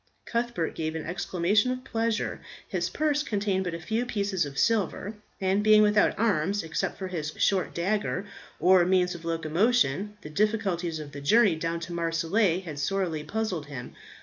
Cuthbert gave an exclamation of pleasure. His purse contained but a few pieces of silver, and being without arms except for his short dagger, or means of locomotion, the difficulties of the journey down to Marseilles had sorely puzzled him.